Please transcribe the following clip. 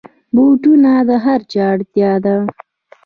بوټونه د هرچا اړتیا ده.